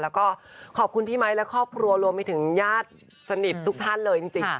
แล้วก็ขอบคุณพี่ไมค์และครอบครัวรวมไปถึงญาติสนิททุกท่านเลยจริง